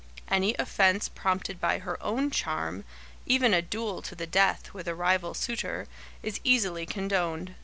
Any offence prompted by her own charm, even a duel to the death with a rival suitor, is easily condoned.